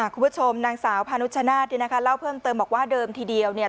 คุณผู้ชมนางสาวพานุชชนาธิเนี่ยนะคะเล่าเพิ่มเติมบอกว่าเดิมทีเดียวเนี่ย